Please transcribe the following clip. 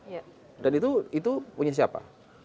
ya dan itu punya siapa